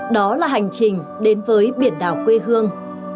đó là hành trình đến với biển đảo quê hương